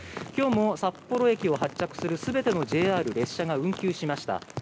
今日も札幌駅を発着する全てのＪＲ列車が運休しました。